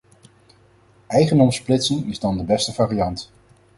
Eigendomsplitsing is dan de beste variant.